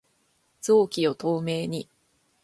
臓器を透明に